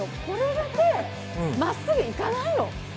これだけまっすぐ行かないの。